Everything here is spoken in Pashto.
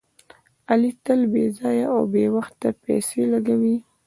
علي تل بې ځایه او بې وخته پیسې لګوي.